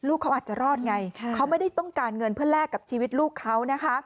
เขาอาจจะรอดไงเขาไม่ได้ต้องการเงินเพื่อแลกกับชีวิตลูกเขานะคะ